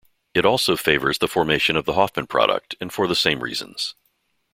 It also favors the formation of the Hofmann product, and for the same reasons.